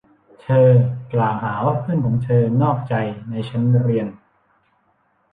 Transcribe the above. เธอกล่าวหาว่าเพื่อนของเธอนอกใจในชั้นเรียน